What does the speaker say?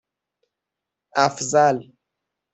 اَفضل